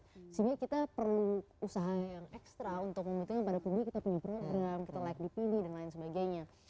sehingga kita perlu usaha yang ekstra untuk memikirkan pada publik kita punya program kita like dipilih dan lain sebagainya